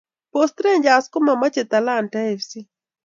Post rangers ko mamache talanta fc